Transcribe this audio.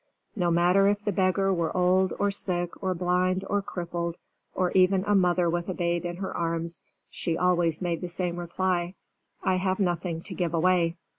No matter if the beggar were old or sick or blind or crippled or even a mother with a babe in her arms, she always made the same reply, "I have nothing to give away."